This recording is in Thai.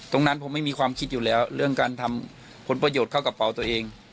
ตรงนั้นผมไม่มีความคิดอยู่แล้วเรื่องการทำผลประโยชน์เข้ากระเป๋าตัวเอง